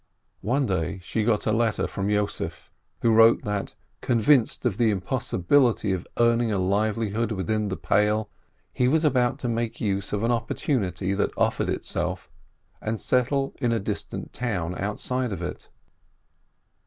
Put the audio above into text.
One day she got a letter from Yossef, who wrote that, convinced of the impossibility of earning a livelihood within the Pale, he was about to make use of an oppor tunity that offered itself, and settle in a distant town outside of it.